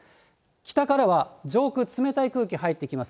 北からは上空、冷たい空気入ってきます。